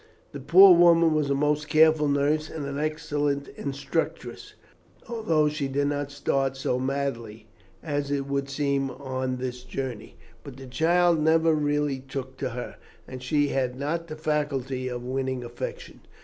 The poor woman was a most careful nurse and an excellent instructress, although she did start so madly, as it would seem, on this journey. But the child never really took to her, as she had not the faculty of winning affection.